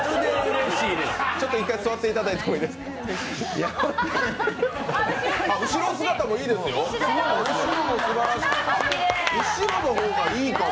ちょっと一回座っていただいてもいいですか。